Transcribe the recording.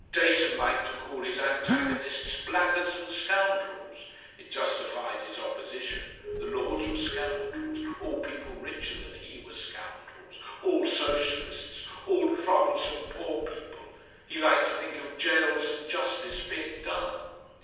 Dayton liked to call his antagonists "blaggards and scoundrels" it justified his opposition the Lords were "scoundrels," all people richer than he were "scoundrels," all Socialists, all troublesome poor people; he liked to think of jails and justice being done.